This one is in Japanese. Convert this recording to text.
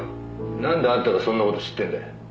「なんであんたがそんな事を知ってるんだよ？」